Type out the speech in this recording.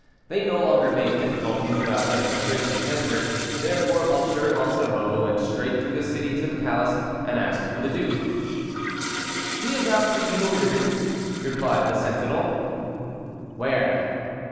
They no longer made difficulties about letting strangers enter, therefore M. de Monsoreau went straight through the city to the palace, and asked for the duke. "He is out reconnoitering," replied the sentinel. "Where?"